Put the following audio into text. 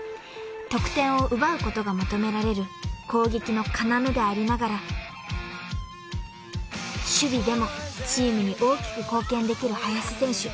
［得点を奪うことが求められる攻撃の要でありながら守備でもチームに大きく貢献できる林選手］